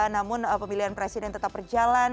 namun pemilihan presiden tetap berjalan